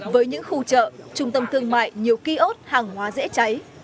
với những khu chợ trung tâm thương mại nhiều ký ốt hàng hóa dễ cháy